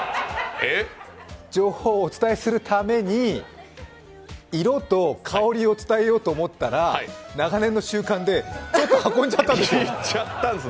情報をお伝えするために、色と香りを伝えようと思ったら、長年の習慣でちょっと運んじゃったんです。